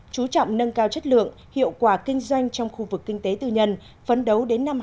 chú trọng nâng cao chất lượng hiệu quả kinh doanh trong khu vực kinh tế tư nhân phấn đấu đến năm hai nghìn ba mươi